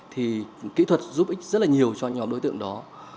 thì kỹ thuật giúp ích rất là nhiều cho nhóm đối tượng đó